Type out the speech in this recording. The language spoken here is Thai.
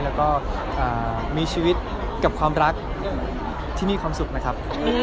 แล้วก็มีชีวิตกับความรักที่มีความสุขนะครับ